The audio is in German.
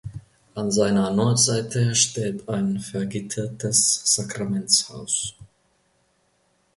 An seiner Nordseite steht ein vergittertes Sakramentshaus.